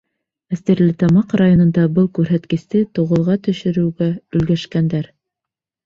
Ә Стәрлетамаҡ районында был күрһәткесте туғыҙға төшөрөүгә өлгәшкәндәр.